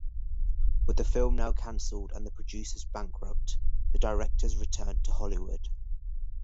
With the film now cancelled and the producers bankrupt, the directors return to Hollywood.